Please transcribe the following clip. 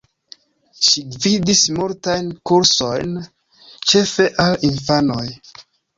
Ŝi gvidis multajn kursojn, ĉefe al infanoj.